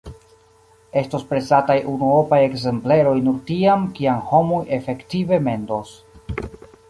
Estos presataj unuopaj ekzempleroj nur tiam, kiam homoj efektive mendos.